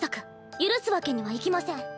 許すわけにはいきません。